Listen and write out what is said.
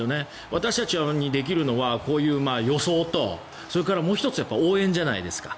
私たちにできるのは予想とそれからもう１つ応援じゃないですか。